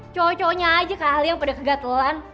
cowok cowoknya aja kali yang pada kegatelan